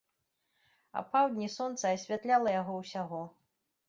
Апаўдні сонца асвятляла яго ўсяго.